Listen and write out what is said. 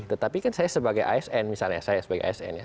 tetapi kan saya sebagai asn misalnya saya sebagai asn ya